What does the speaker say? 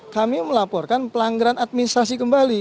kami melaporkan pelanggaran administrasi kembali